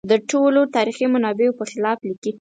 د ټولو تاریخي منابعو په خلاف لیکي.